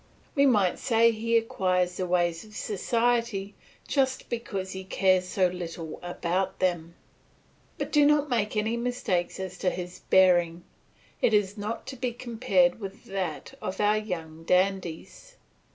We might say that he acquires the ways of society just because he cares so little about them. But do not make any mistake as to his bearing; it is not to be compared with that of your young dandies.